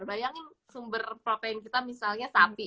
bayangin sumber protein kita misalnya sapi